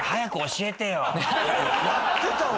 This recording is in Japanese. やってたわ。